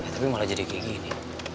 tapi malah jadi kayak gini